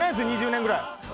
２０年ぐらい。